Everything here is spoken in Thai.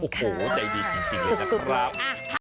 โอ้โหใจดีจริงเลยนะครับ